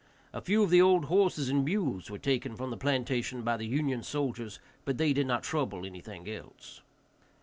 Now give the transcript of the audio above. A few of the old horses and mules were taken from the plantation by the Union soldiers, but they did not trouble anything else.